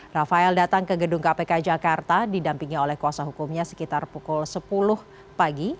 rafael datang ke gedung kpk jakarta didampingi oleh kuasa hukumnya sekitar pukul sepuluh pagi